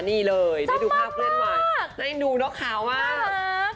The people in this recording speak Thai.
นี่เลยได้ดูภาพเคลื่อนไหวจำมากมากได้ดูนอกข่าวว่าได้หรือ